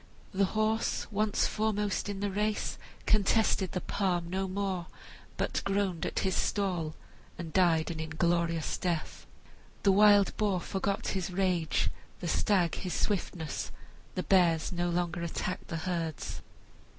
The horse, once foremost in the race, contested the palm no more, but groaned at his stall and died an inglorious death. The wild boar forgot his rage, the stag his swiftness, the bears no longer attacked the herds.